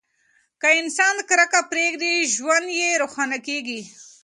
که انسان کرکه پریږدي، ژوند یې روښانه کیږي.